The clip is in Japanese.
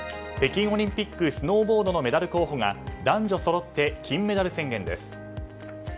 北京オリンピックスノーボードのメダル候補が男女そろって金メダル宣言です。